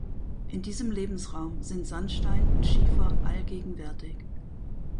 In diesem Lebensraum sind Sandstein und Schiefer allgegenwärtig.